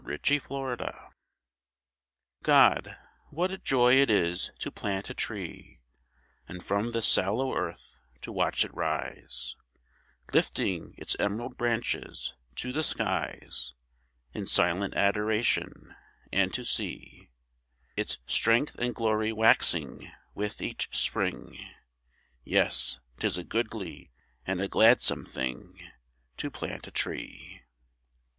GO PLANT A TREE God, what a joy it is to plant a tree, And from the sallow earth to watch it rise, Lifting its emerald branches to the skies In silent adoration; and to see Its strength and glory waxing with each spring. Yes, 'tis a goodly, and a gladsome thing To plant a tree.